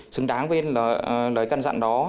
xứng đáng với lời căn dặn